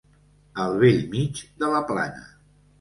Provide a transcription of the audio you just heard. Al bell mig de la plana.